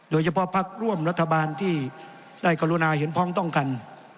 เฉพาะพักร่วมรัฐบาลที่ได้กรุณาเห็นพ้องต้องกัน